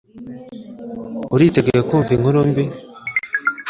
Uriteguye kumva inkuru mbi